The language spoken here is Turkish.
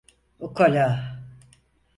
Ukala…